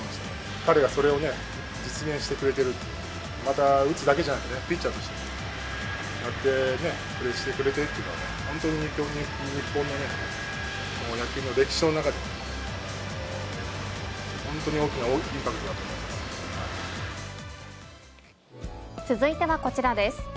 彼がそれをね、実現してくれている、また打つだけじゃなくてね、ピッチャーとしてもやってね、プレーしてくれているというのは、本当に日本の野球の歴史の中で、本当に大きなインパクトだと思い続いてはこちらです。